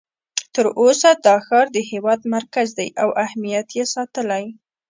تر اوسه دا ښار د هېواد مرکز دی او اهمیت یې ساتلی.